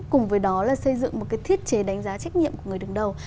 cùng với đó là xây dựng một cái thiết chế đánh giá trách nhiệm của người đứng đầu